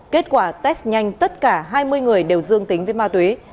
kết quả test nhanh tất cả hai mươi người đều dương tính với ma túy